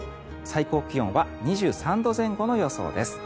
最高気温は２３度前後の予想です。